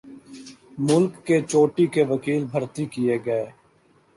ملک کے چوٹی کے وکیل بھرتی کیے گئے۔